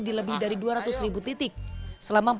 yang telah diperlukan oleh kesehatan